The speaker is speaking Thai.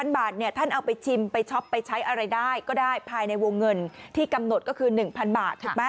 บาทเนี่ยท่านเอาไปชิมไปช็อปไปใช้อะไรได้ก็ได้ภายในวงเงินที่กำหนดก็คือ๑๐๐บาทถูกไหม